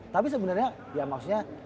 tapi sebenernya ya maksudnya